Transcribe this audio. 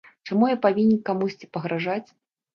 Чаму я павінен камусьці пагражаць?